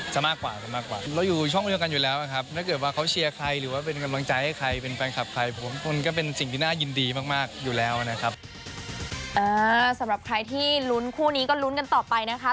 สำหรับใครที่ลุ้นคู่นี้ก็ลุ้นกันต่อไปนะคะ